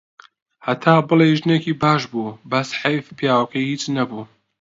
هەتا بڵێی ژنێکی باش بوو، بەس حەیف پیاوەکەی هیچ نەبوو.